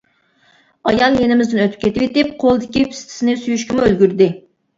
ئايال يېنىمىزدىن ئۆتۈپ كېتىۋېتىپ قولىدىكى پىستىسىنى سۆيۈشكىمۇ ئۈلگۈردى.